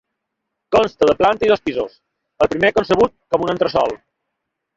Consta de planta i dos pisos, el primer concebut com un entresòl.